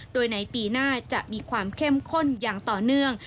โดยในปีหน้าจะมีความเข้มข้นอย่างต่อเนื่อง